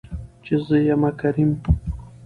چې زه يمه کريم .